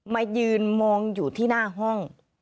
มายืนมองอยู่ที่หน้าห้อง